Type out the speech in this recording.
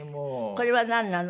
これはなんなの？